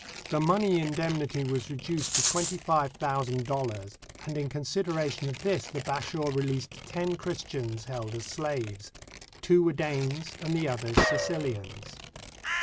The money indemnity was reduced to twenty five thousand dollars, and in consid eration of this the Bashaw released ten Christians held as slaves. Two were Danes and the others Sicilians.